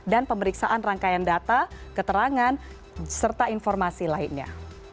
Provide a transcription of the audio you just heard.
dan pemeriksaan rangkaian data keterangan serta informasi lainnya